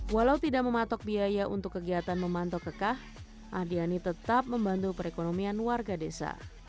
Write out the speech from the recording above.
walau tidak mematok biaya untuk kegiatan memantau kekah adiani tetap membantu perekonomian warga desa